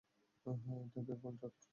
হ্যাঁ, এটা বেকওয়্যাল টার্ট।